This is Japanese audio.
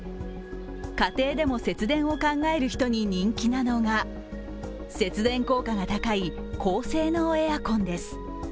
家庭でも節電を考える人に人気なのが節電効果が高い高性能エアコンです。